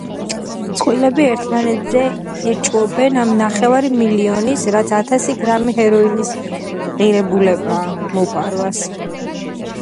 ოჯახური წყვილები ერთმანეთზე ეჭვობენ ამ ნახევარი მილიონის, რაც ათასი გრამი ჰეროინის ღირებულებაა, მოპარვას.